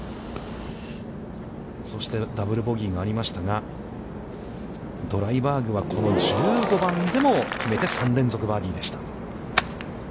そしてダブル・ボギーがありましたが、ドライバーグは、この１５番でも決めて、３連続バーディーでした。